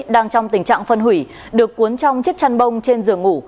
đang trong tình trạng phân hủy được cuốn trong chiếc chăn bông trên giường ngủ